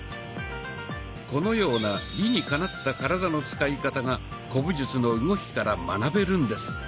このような理にかなった体の使い方が古武術の動きから学べるんです。